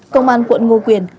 công an quận ngô quyền